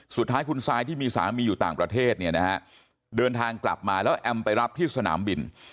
สุดท้ายคุณซายที่มีสามีอยู่ต่างประเทศเนี่ยนะฮะเดินทางกลับมาแล้วแอมไปรับที่สนามบิน